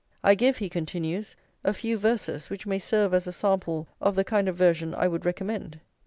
"I give," he continues, "a few verses, which may serve as a sample of the kind of version I would recommend."